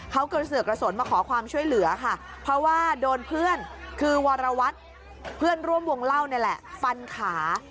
เขากระเสือกกระสนมาขอความช่วยเหลือค่ะเพราะว่าโดนเพื่อนคือวรวัตรเพื่อนร่วมวงเล่านี่แหละฟันขา